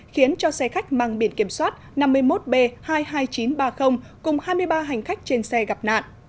khiến cho xe khách mang biển kiểm soát năm mươi một b hai mươi hai nghìn chín trăm ba mươi cùng hai mươi ba hành khách trên xe gặp nạn